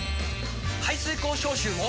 排水口消臭も！